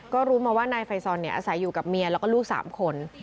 ก็รู้มาว่านายไฟซอนอาศัยอยู่กับเมียแล้วก็ลูก๓คน